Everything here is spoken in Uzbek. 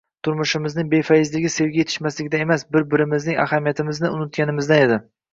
Turmushimiz befayzligi sevgi yetishmasligidan emas, bir-birimizning ahamiyatimizni unutganimizdan edi